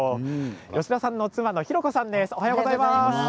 吉田さんの妻のひろ子さんです。